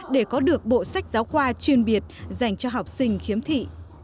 để có được bộ sách giáo khoa chuyên biệt dành cho học sinh khiếm thị